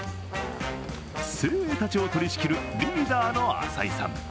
精鋭たちを取り仕切るリーダーの浅井さん。